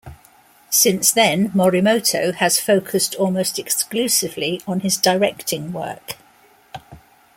Since then, Morimoto has focused almost exclusively on his directing work.